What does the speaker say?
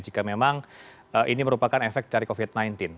jika memang ini merupakan efek dari covid sembilan belas